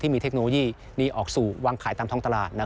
มีเทคโนโลยีออกสู่วางขายตามท้องตลาด